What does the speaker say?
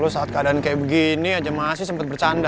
lu saat keadaan kayak begini aja masih sempet bercanda